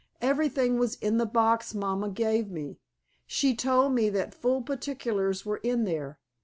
"Everything was in the box Mama gave me. She told me that full particulars were in there.